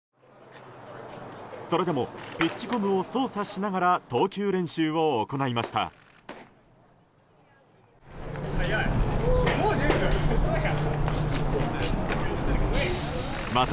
それでもピッチコムを操作しながら投球練習を行いました。